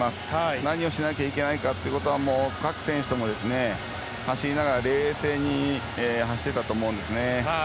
何をしなきゃいけないかは各選手とも走りながら冷静に走ってたと思うんですね。